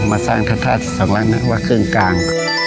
มาสร้างท่าท่าที่สองลักษณ์นั่นก็คือว่าครึ่งกลาง